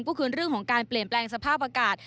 ก็คือเรื่องของการเปลี่ยนแปลงสภาพอากาศ